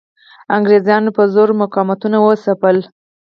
انګریزانو په زور مقاومتونه وځپل.